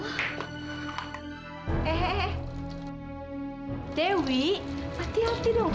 hah dewi hati hati dong tutup pintunya fotong penggiat seperti itu